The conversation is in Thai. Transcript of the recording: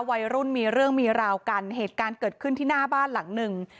วัยรุ่นมีเรื่องมีราวกันเหตุการณ์เกิดขึ้นที่หน้าบ้านหลังหนึ่ง